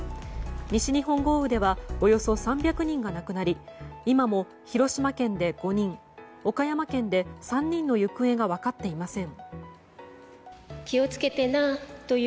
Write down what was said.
西日本豪雨ではおよそ３００人が亡くなり今も広島県で５人岡山県で３人の行方が分かっていません。